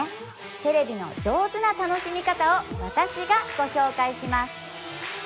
テレビの上手な楽しみ方を私がご紹介します